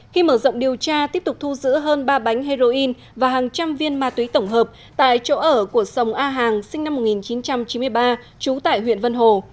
khi mở rộng điều tra tiếp tục thu giữ hơn ba bánh heroin và hàng trăm viên ma túy tổng hợp tại chỗ ở của sông a hàng sinh năm một nghìn chín trăm chín mươi ba trú tại huyện vân hồ